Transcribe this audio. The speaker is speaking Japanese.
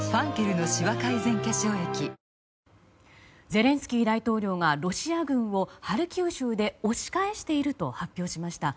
ゼレンスキー大統領がロシア軍をハルキウ州で押し返していると発表しました。